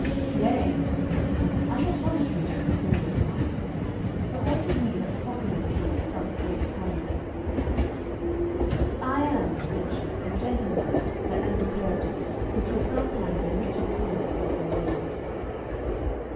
"Yea," said he, "I shall promise you to fulfil your desire. But what are ye that proffereth me thus great kindness?" "I am," said she, "a gentlewoman that am disherited, which was sometime the richest woman of the world."